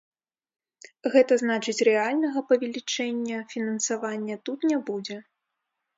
Гэта значыць, рэальнага павелічэння фінансавання тут не будзе.